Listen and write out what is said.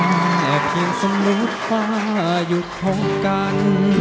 แม่เพียงสมมติว่าอยู่พบกัน